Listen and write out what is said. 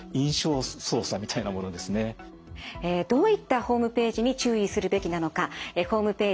えどういったホームページに注意するべきなのかホームページ